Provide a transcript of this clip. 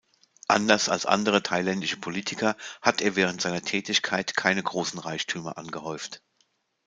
Anders als andere thailändische Politiker hat er während seiner Tätigkeit keine großen Reichtümer angehäuft.